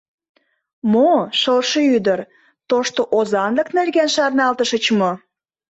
— Мо, шылше ӱдыр, тошто озанлык нерген шарналтышыч мо?